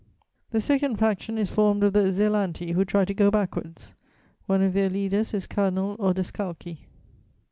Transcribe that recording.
The second faction is formed of the zelanti, who try to go backwards: one of their leaders is Cardinal Odescalchi.